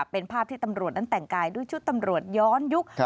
เป็นภาพที่ตำรวจนั้นแต่งกายด้วยชุดตำรวจย้อนยุค